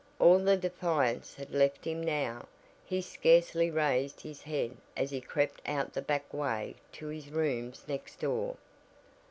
All the defiance had left him now; he scarcely raised his head as he crept out the back way to his rooms next door.